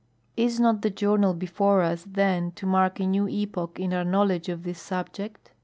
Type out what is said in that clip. Is not the journal before us, then, to mark a new epoch in our knowl edge of this subject?